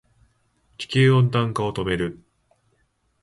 地球温暖化を止める